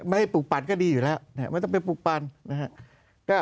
ไม่ให้ปลูกปั่นก็ดีอยู่แล้วไม่ต้องไปปลูกปั่นนะครับ